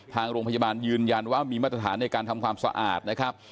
ทางโรงพยาบาลยืนยันว่ามีมาตรฐานในการทำความสะอาดนะครับ